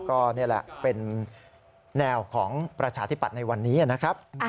ก็นี่แหละเป็นแนวของประชาธิปัตย์ในวันนี้นะครับ